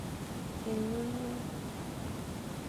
Enyunyung.